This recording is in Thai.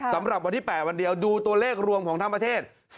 สำหรับวันที่๘วันเดียวดูตัวเลขรวมของทั้งประเทศ